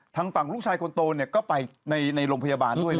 ทางฝั่งลูกชายคนโตก็ไปในโรงพยาบาลด้วย